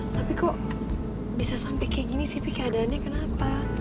tapi kok bisa sampai kayak gini sih keadaannya kenapa